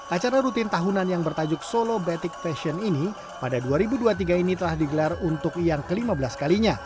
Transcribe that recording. acara rutin tahunan yang bertajuk solo batik fashion ini pada dua ribu dua puluh tiga ini telah digelar untuk yang ke lima belas kalinya